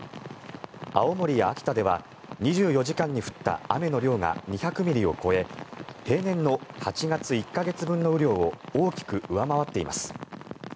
青森や秋田では２４時間に降った雨の量が２００ミリを超え平年の８月１か月分の雨量を大きく上回っています。